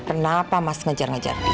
kenapa mas ngejar ngejar